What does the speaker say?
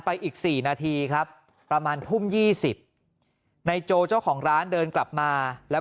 อีก๔นาทีครับประมาณทุ่ม๒๐นายโจเจ้าของร้านเดินกลับมาแล้ว